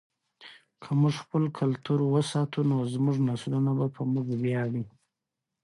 که موږ خپل کلتور وساتو نو زموږ نسلونه به په موږ ویاړي.